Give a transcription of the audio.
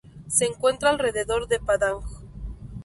Se encuentra alrededor de Padang.